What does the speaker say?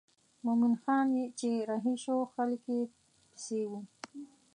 مومن خان چې رهي شو خلک یې پسې وو.